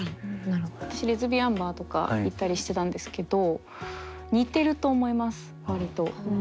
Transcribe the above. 私レズビアンバーとか行ったりしてたんですけど似てると思います割と。